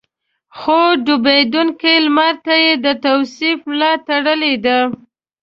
خو ډوبېدونکي لمر ته يې د توصيف ملا تړلې ده.